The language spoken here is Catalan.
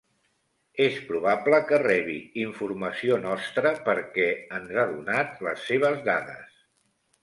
És probable que rebi informació nostra perquè ens ha donat les seves dades.